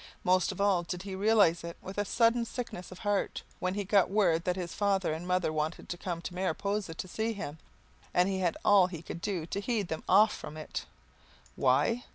Most of all did he realize it, with a sudden sickness of heart, when he got word that his father and mother wanted to come to Mariposa to see him and he had all he could do to head them off from it. Why?